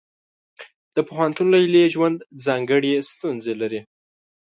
د پوهنتون لیلیې ژوند ځانګړې ستونزې لري.